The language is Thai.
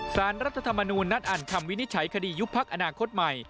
สารรัฐธรรมนูญนัดอ่านคำวินิจฉัยคดียุบพักอนาคตใหม่